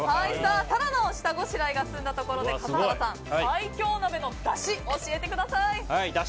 タラの下ごしらえが済んだところで笠原さん、最強鍋のだし教えてください。